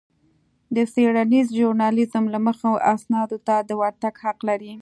د څېړنيز ژورنالېزم له مخې اسنادو ته د ورتګ حق لرئ.